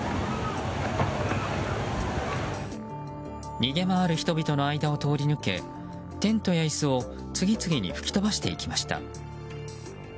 逃げ回る人々の間を通り抜けテントや椅子を次々に吹き飛ばしていきました。